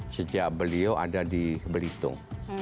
sejak beliau ada di belitung